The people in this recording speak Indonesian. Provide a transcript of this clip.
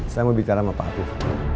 saya mau bicara sama pak arief